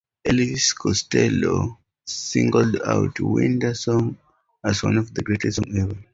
Elvis Costello singled out "Winter Song" as one of the greatest songs ever.